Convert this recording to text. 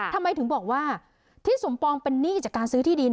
ทำไมถึงบอกว่าที่สมปองเป็นหนี้จากการซื้อที่ดิน